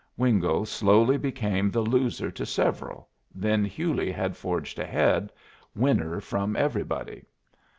Wingo slowly became the loser to several, then Hewley had forged ahead, winner from everybody.